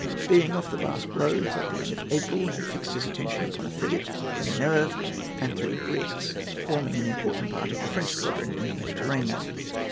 Being off the Basque Roads at the end of April he fixed his attention upon a frigate, the Minerve, and three brigs, forming an important part of the French squadron in the Mediterranean.